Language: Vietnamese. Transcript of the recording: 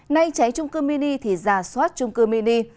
nay cháy trung cư mini thì giả soát trung cư mini